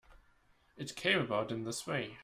It came about in this way.